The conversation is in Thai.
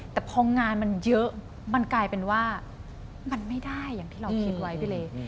แต่พองานมันเยอะมันกลายเป็นว่ามันไม่ได้อย่างที่เราคิดไว้พี่เล